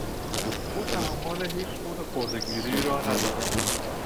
او تحمل هیچگونه خرده گیری را ندارد.